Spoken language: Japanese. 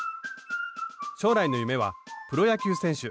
将来の夢はプロ野球選手。